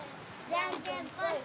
じゃんけんぽい！